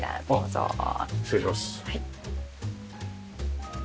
失礼します。